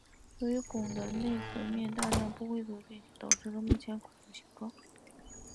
由于拱的内弧面大量不规则的变形导致了目前拱的形状。